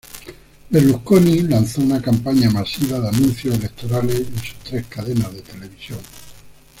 Berlusconi lanzó una campaña masiva de anuncios electorales en sus tres cadenas de televisión.